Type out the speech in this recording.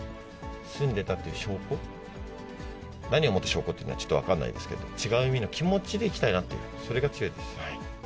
住んでたという証拠、何をもって証拠っていうのか、ちょっと分かんないですけど、違う意味の気持ちでいきたいなと、それが強いです。